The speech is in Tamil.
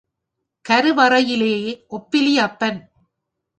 கருவறையிலே ஒப்பிலி அப்பன்.